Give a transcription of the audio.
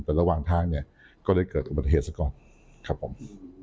แต่ระหว่างทางก็ได้เกิดอุบัติเหตุสักครั้ง